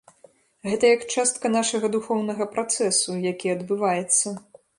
Гэта як частка нашага духоўнага працэсу, які адбываецца.